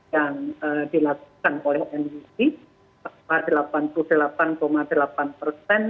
yang dilakukan oleh mwc